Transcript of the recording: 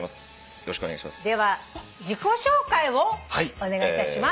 よろしくお願いします。